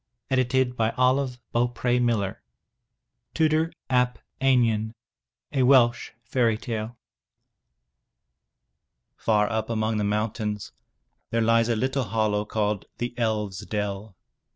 394 THROUGH FAIRY HALLS TUDUR AP EINION A Welsh Fairy Tale Far up among the mountains, there lies a little hollow called The Elves' Dell.